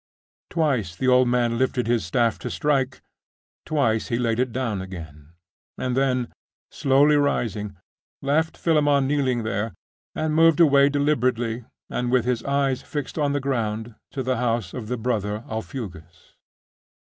Twice the old man lifted his staff to strike; twice he laid it down again; and then, slowly rising, left Philammon kneeling there, and moved away deliberately, and with eyes fixed on the ground, to the house of the brother Aufugus.